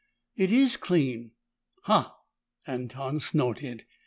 "It is clean!" "Ha!" Anton snorted.